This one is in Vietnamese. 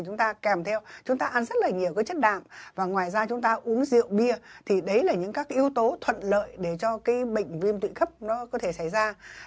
chúng ta ăn rất nhiều chất đạm và ngoài ra chúng ta uống rượu bia thì đấy là những các yếu tố thuận lợi để cho bệnh viêm tụy cấp có thể xảy ra